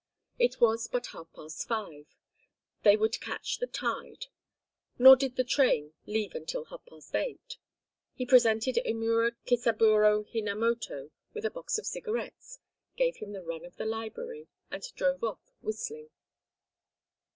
It was but half past five. They would catch the tide; nor did the train leave until half past eight. He presented Imura Kisaburo Hinamoto with a box of cigarettes, gave him the run of the library, and drove off whistling.